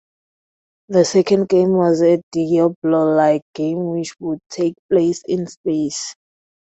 The second game was Diablo-like game which would take place in space.